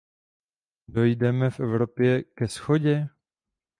Dojdeme v Evropě ke shodě?